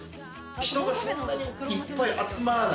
人が、そんなにいっぱい集まらない。